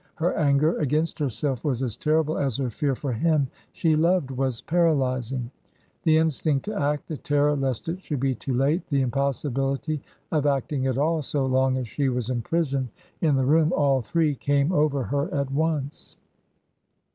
Her anger against herself was as terrible as her fear for him she loved was paralysing. The instinct to act, the terror lest it should be too late, the impossibility of acting at all so long as she was imprisoned in the room, all three came over her at once.